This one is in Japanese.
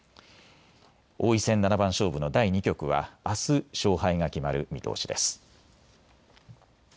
王位戦七番勝負の第２局はあす勝敗が決まる見通しです。